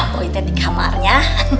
boy ada di kamarnya